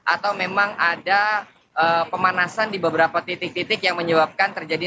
atau memang ada pemanasan di beberapa titik titik yang menyebabkan terjadi